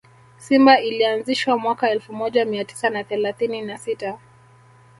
Simba ilianzishwa mwaka elfu moja mia tisa na thelathini na sita